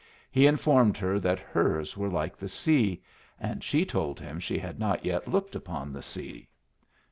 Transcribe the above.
He informed her that hers were like the sea, and she told him she had not yet looked upon the sea.